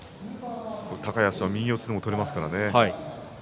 高安は右四つでも取れますからね。